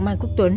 mai quốc tuấn